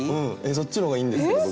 そっちの方がいいんですけど僕。